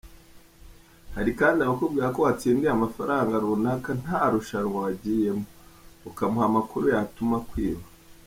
Hari kandi abakubwira ko watsindiye amafaranga runaka nta rushanwa wagiyemo, ukamuha amakuru yatuma akwiba’’.